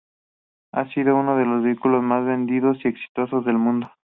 Ha sido uno de los vehículos más vendidos y exitosos del mundo.